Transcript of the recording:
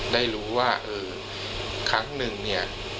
ได้รู้ว่าครั้งหนึ่งเนี่ย